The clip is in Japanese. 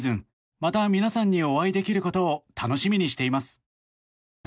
また皆さんにお会いできることを楽しみにしています。